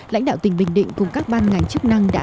lãnh đạo tỉnh bình định cùng các ban ngành chức năng đã